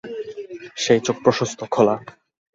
সে চোখ প্রশস্ত, খোলা।